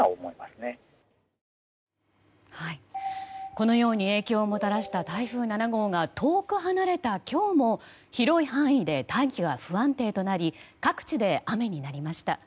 このように影響をもたらした台風７号が遠く離れた今日も広い範囲で大気が不安定となり各地で雨になりました。